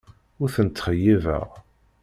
Ur ten-ttxeyyibeɣ.